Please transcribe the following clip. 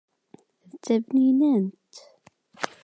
D tabninant!